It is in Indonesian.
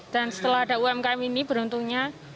dan setelah ada umkm ini beruntungnya